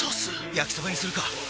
焼きそばにするか！